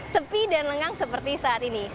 sepi dan lengang seperti saat ini